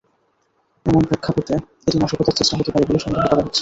এমন প্রেক্ষাপটে এটি নাশকতার চেষ্টা হতে পারে বলে সন্দেহ করা হচ্ছে।